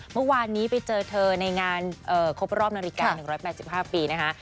เมื่อวานนี้ไปเจอเธอในงานครบรอบนาฬิกา๑๘๕ปีนะคะ